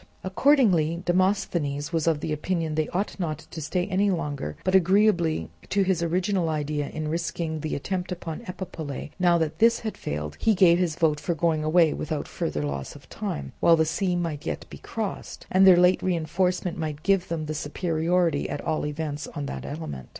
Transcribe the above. Accordingly, Demosthenes was of opinion that they ought not to stay any longer; but agreeably to his original idea in risking the attempt upon Epipolae, now that this had failed, he gave his vote for going away without further loss of time, while the sea might yet be crossed, and their late reinforcement might give them the superiority at all events on that element.